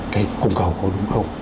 cái cung cầu có đúng không